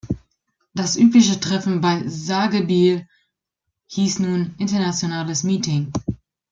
Das übliche Treffen bei Sagebiel hieß nun „Internationales Meeting“.